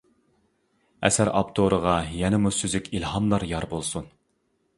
ئەسەر ئاپتورىغا يەنىمۇ سۈزۈك ئىلھاملار يار بولسۇن!